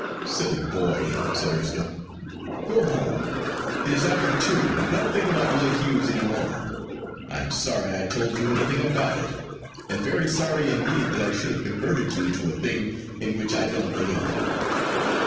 'Silly boy!' said Erskine. 'Go home: it is after two, and don't think about Willie Hughes any more. I am sorry I told you anything about it, and very sorry indeed that I should have converted you to a thing in which I don't believe.